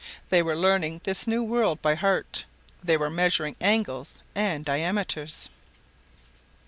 They were learning this new world by heart. They were measuring angles and diameters.